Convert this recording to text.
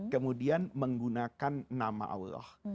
kemudian menggunakan nama allah